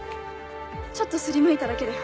ちょっと擦りむいただけだよ。